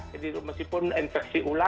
jadi itu meskipun infeksi ular